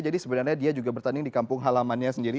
jadi sebenarnya dia juga bertanding di kampung halamannya sendiri